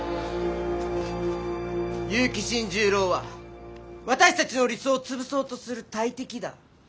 結城新十郎は私たちの理想を潰そうとする大敵だ。